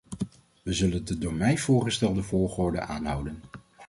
We zullen de door mij voorgestelde volgorde aanhouden.